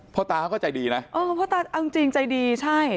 พ่อตาก็ใจดีนะพ่อตาจริงใจดีใช่